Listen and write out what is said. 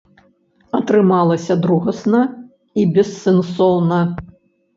Атрымалася другасна і бессэнсоўна.